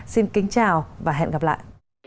xin kính chào và hẹn gặp lại